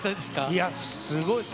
いや、すごいです。